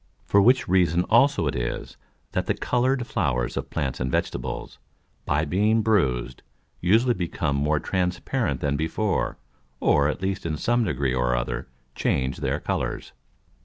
For which reason also it is that the colour'd Flowers of Plants and Vegetables, by being bruised, usually become more transparent than before, or at least in some degree or other change their Colours.